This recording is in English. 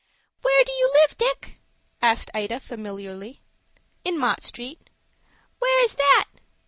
"Where do you live, Dick?" asked Ida, familiarly. "In Mott Street." "Where is that?"